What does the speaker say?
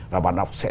và bản đọc sẽ